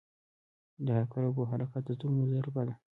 • د عقربو حرکت د زړونو ضربه ده.